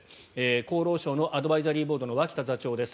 厚労省のアドバイザリーボードの脇田座長です。